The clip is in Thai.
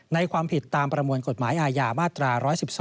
ความผิดตามประมวลกฎหมายอาญามาตรา๑๑๒